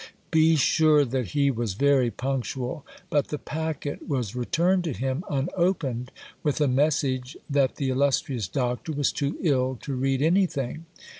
Be sure that he was very punctual; but the packet was returned to him unopened, with a message that the illustrious doctor was too ill to read anything.